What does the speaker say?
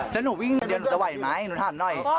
แล้วหนูวิ่งเดี๋ยวหนูจะไหวไหมหนูถามหน่อย